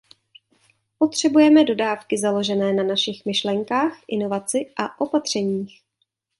Potřebujeme dodávky založené na našich myšlenkách, inovaci a opatřeních.